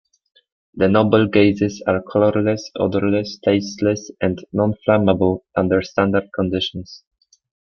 The noble gases are colorless, odorless, tasteless, and nonflammable under standard conditions.